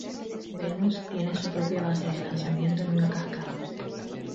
Venus tiene su propia base de lanzamiento en una cascada.